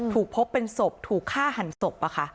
พบเป็นศพถูกฆ่าหันศพ